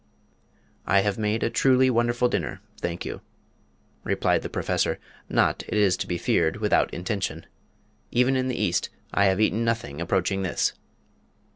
"I have made a truly wonderful dinner, thank you," replied the Professor, not, it is to be feared, without intention. "Even in the East I have eaten nothing approaching this."